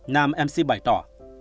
nam mc bày tỏ